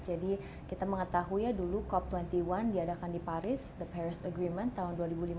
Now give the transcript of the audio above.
jadi kita mengetahui dulu cop dua puluh satu diadakan di paris perjanjian paris tahun dua ribu lima belas